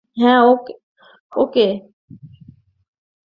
হ্যা, ওকে।